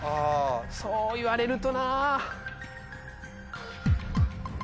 そう言われるとな。